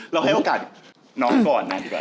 เราให้โอกาสน้อมก่อนนะ